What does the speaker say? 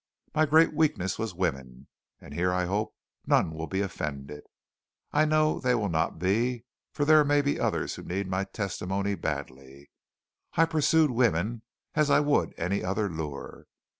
My great weakness was women, and here I hope none will be offended, I know they will not be, for there may be others who need my testimony badly. I pursued women as I would any other lure.